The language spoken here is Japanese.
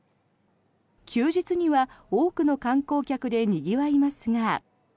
休日には多くの観光客でにぎわいますが。